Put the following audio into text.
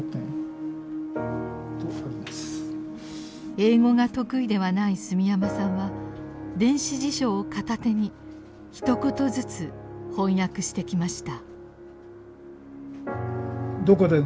英語が得意ではない住山さんは電子辞書を片手にひと言ずつ翻訳してきました。